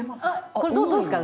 これどうですか？